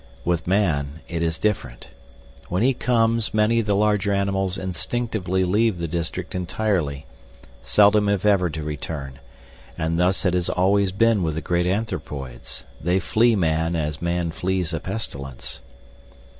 With man it is different. When he comes many of the larger animals instinctively leave the district entirely, seldom if ever to return; and thus it has always been with the great anthropoids. They flee man as man flees a pestilence.